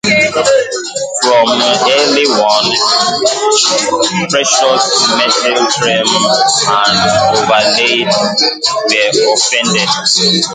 From early on, precious metal trim and overlays were offered.